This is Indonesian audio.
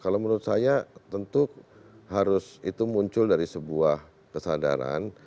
kalau menurut saya tentu harus itu muncul dari sebuah kesadaran